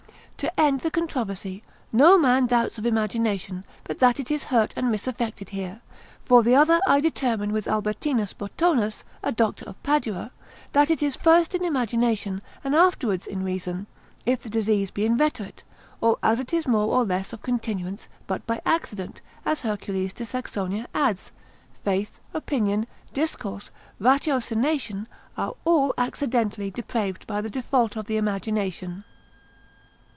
To end the controversy, no man doubts of imagination, but that it is hurt and misaffected here; for the other I determine with Albertinus Bottonus, a doctor of Padua, that it is first in imagination, and afterwards in reason; if the disease be inveterate, or as it is more or less of continuance; but by accident, as Herc. de Saxonia adds; faith, opinion, discourse, ratiocination, are all accidentally depraved by the default of imagination.